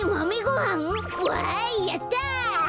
わいやった。